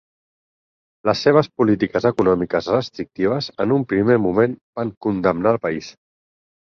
Les seves polítiques econòmiques restrictives, en un primer moment, van condemnar el país.